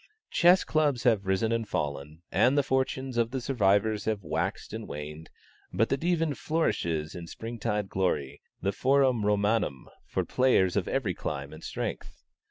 Chess Clubs have risen and fallen, and the fortunes of the survivors have waxed or waned; but the Divan flourishes in spring tide glory, the Forum Romanum for players of every clime and strength.